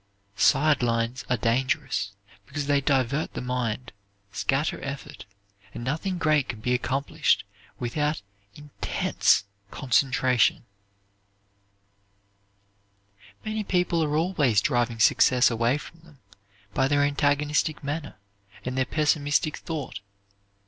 "Side lines" are dangerous because they divert the mind, scatter effort, and nothing great can be accomplished without intense concentration. Many people are always driving success away from them by their antagonistic manner, and their pessimistic thought.